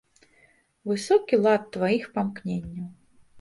Высокі лад тваіх памкненняў!